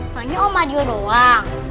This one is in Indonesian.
hanya om mario doang